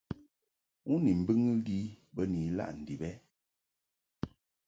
U ni mbɨŋɨ li bə ni ilaʼ ndib ɛ ?